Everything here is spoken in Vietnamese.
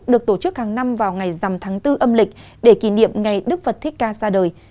được tổ chức hàng năm vào ngày dằm tháng bốn âm lịch để kỷ niệm ngày đức phật thích ca ra đời